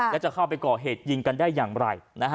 แล้วจะเข้าไปก่อเหตุยิงกันได้อย่างไร